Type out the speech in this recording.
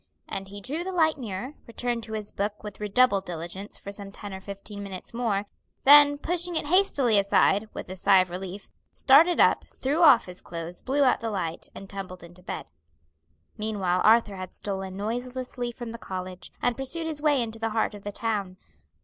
And he drew the light nearer, returned to his book with redoubled diligence for some ten or fifteen minutes more; then, pushing it hastily aside, with a sigh of relief, started up, threw off his clothes, blew out the light, and tumbled into bed. Meanwhile Arthur had stolen noiselessly from the college, and pursued his way into the heart of the town.